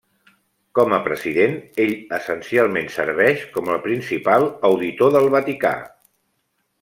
Com a president, ell essencialment serveix com el principal auditor del Vaticà.